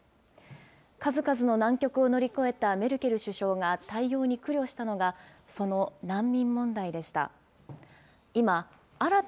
数々の難局を乗り越えたメルケル首相が対応に苦慮したのが、その難民問題でした。